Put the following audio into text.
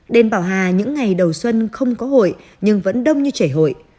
đêm bảo hà những ngày đầu xuân không có hội nhưng vẫn đông như trẻ hội